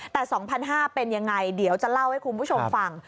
แต่๒๕๐๐เป็นยังไงเดี๋ยวจะเล่าให้คุณผู้ชมฟัง